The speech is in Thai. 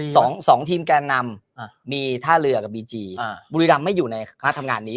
สองสองทีมแกนนำอ่ามีท่าเรือกับบีจีอ่าบุรีรำไม่อยู่ในคณะทำงานนี้